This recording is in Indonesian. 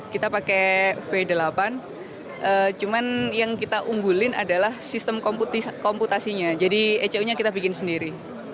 kita pakai v delapan cuman yang kita unggulin adalah sistem komputasinya jadi ecu nya kita bikin sendiri